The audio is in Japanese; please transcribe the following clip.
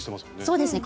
そうですね。